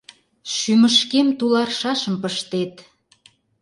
Шӱмышкем тул аршашым пыштет.